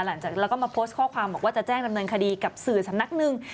หลังจากแล้วก็มาโพสต์ข้อความบอกว่าจะแจ้งดำเนินคดีกับสื่อสำนักหนึ่ง